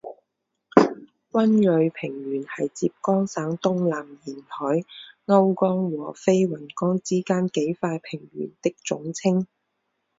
温瑞平原是浙江省东南沿海瓯江和飞云江之间几块平原的总称。